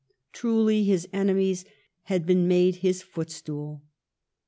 Truly his enemies had been made his footstool."